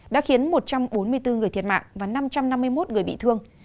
đã khiến một trăm bốn mươi bốn người thiệt mạng và năm trăm năm mươi một người bị thương